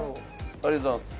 ありがとうございます。